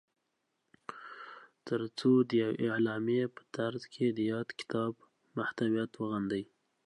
تر څو د یوې اعلامیې په ترځ کې د یاد کتاب محتویات وغندي